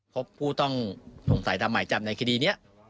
พบผู้ต้องสงสัยตามหมายจับในคดีนี้